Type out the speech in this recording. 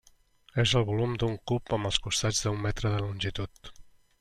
És el volum d'un cub amb els costats d'un metre de longitud.